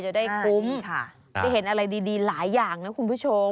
จะได้คุ้มได้เห็นอะไรดีหลายอย่างนะคุณผู้ชม